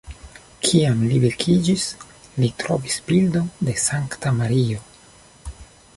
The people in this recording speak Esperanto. Kiam li vekiĝis, li trovis bildon de Sankta Mario.